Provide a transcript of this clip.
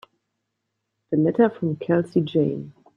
The letter from Kelsey Jane.